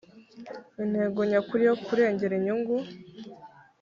intego nyakuri yo kurengera inyungu